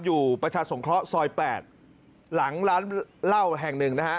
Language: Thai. อยู่ประชาสงเคราะห์ซอย๘หลังร้านเหล้าแห่งหนึ่งนะฮะ